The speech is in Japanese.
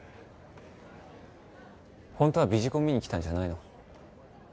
ホントはビジコン見にきたんじゃないの？